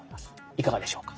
いかがでしょうか？